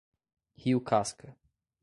Rio Casca